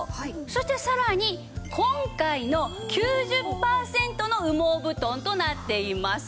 そしてさらに今回の９０パーセントの羽毛布団となっています。